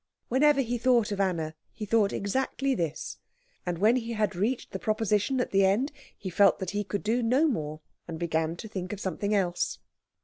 Whenever he thought of Anna, he thought exactly this; and when he had reached the proposition at the end he felt that he could do no more, and began to think of something else.